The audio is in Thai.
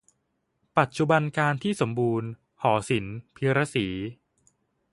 ปัจจุบันกาลที่สมบูรณ์ หอศิลป พีระศรี